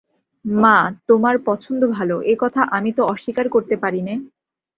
মা, তোমার পছন্দ ভালো, এ কথা আমি তো অস্বীকার করতে পারি নে।